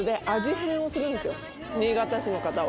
新潟市の方は。